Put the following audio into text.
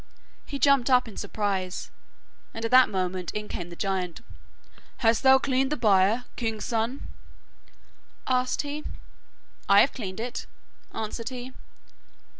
He jumped up in surprise, and at that moment in came the giant. 'Hast thou cleaned the byre, king's son?' asked he. 'I have cleaned it,' answered he.